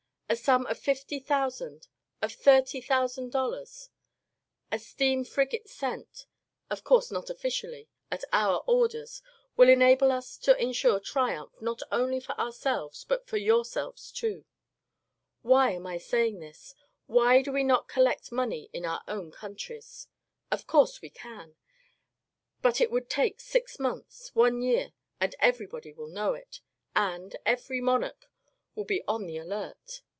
A sum of fifty thousand, of thirty thousand dollars — a steam frigate sent — of course not officially — at our orders — will enable us to ensure triumph not only for ourselves, but for yourselves too. Why am 1 saying this? Why do we not collect money in our own countries ? MAZZINI ON COLOURED MEN SUFFRAGE 63 Of coarse, we can. But it would take six months, one year. And everybody will know it. And every (monarch) will be on the alert.